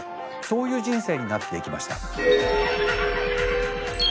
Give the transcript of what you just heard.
そういう人生になっていきました。